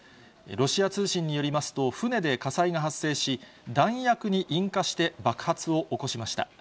ロシア通信によりますと、船で火災が発生し、弾薬に引火して、爆発を起こしました。